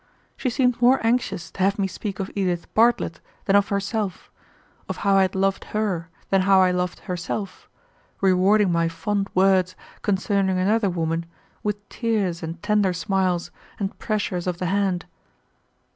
She seemed more anxious to have me speak of Edith Bartlett than of herself, of how I had loved her than how I loved herself, rewarding my fond words concerning another woman with tears and tender smiles and pressures of the hand.